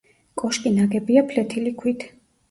კოშკი ნაგებია ფლეთილი ქვით.